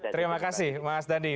terima kasih mas dhani